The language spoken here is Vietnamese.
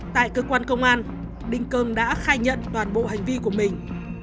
tại cơ quan công an đinh cơm đã khai nhận toàn bộ hành vi của mình